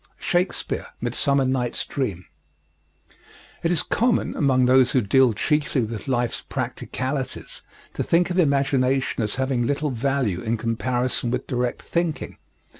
SHAKESPEARE, Midsummer Night's Dream. It is common, among those who deal chiefly with life's practicalities, to think of imagination as having little value in comparison with direct thinking.